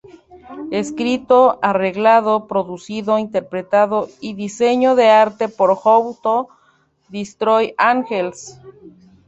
Escrito, Arreglado, Producido, Interpretado y Diseño de Arte por How to Destroy Angels